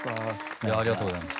いやあありがとうございます。